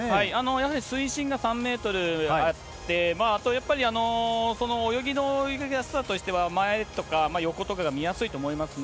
やはり水深が３メートルあって、あとやっぱり、泳ぎの泳ぎやすさとしては、前とか横とかが見やすいと思いますね。